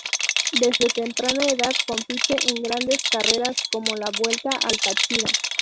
Desde temprana edad compite en grandes carreras como la Vuelta al Táchira